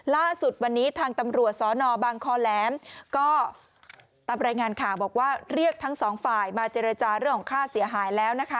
ล่าสุดวันนี้ทางตำรวจสนบางคอแหลมก็ตามรายงานข่าวบอกว่าเรียกทั้งสองฝ่ายมาเจรจาเรื่องของค่าเสียหายแล้วนะคะ